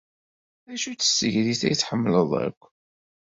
D acu-tt tsegrit ay tḥemmled akk?